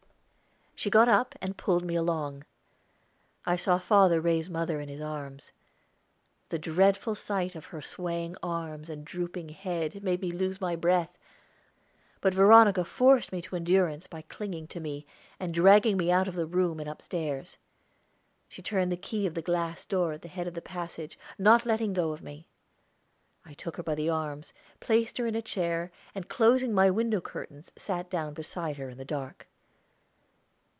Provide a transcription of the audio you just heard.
She got up, and pulled me along. I saw father raise mother in his arms. The dreadful sight of her swaying arms and drooping head made me lose my breath; but Veronica forced me to endurance by clinging to me, and dragging me out of the room and upstairs. She turned the key of the glass door at the head of the passage, not letting go of me. I took her by the arms, placed her in a chair, and closing my window curtains, sat down beside her in the dark.